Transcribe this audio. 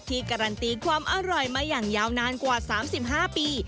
การันตีความอร่อยมาอย่างยาวนานกว่า๓๕ปี